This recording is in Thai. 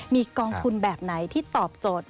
มีกองทุนแบบไหนที่ตอบโจทย์